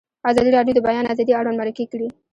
ازادي راډیو د د بیان آزادي اړوند مرکې کړي.